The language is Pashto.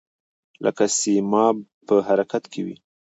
لکه سیماب په حرکت کې وي.